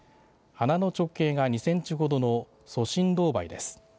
花の直径が２センチほどのソシンロウバイです。